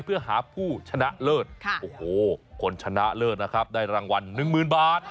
เพื่อหาผู้ชนะเลิศโอ้โหคนชนะเลิศนะครับได้รางวัล๑๐๐๐บาท